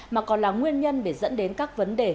mà còn là nguyên nhân để dẫn đến các vấn đề